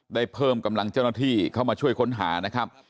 ได้เพิ่มกำลังเจ้าหน้าที่เข้ามาช่วยค้นหานะครับ